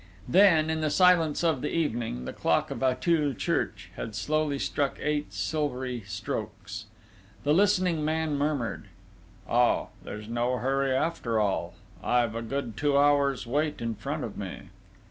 Then, in the silence of the evening, the clock of Auteuil church had slowly struck eight silvery strokes. The listening man murmured: "Oh, there's no hurry after all. I've a two good hours' wait in front of me!"